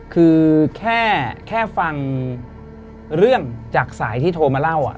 คือแค่ฟังเรื่องจากสายที่โทรมาเล่า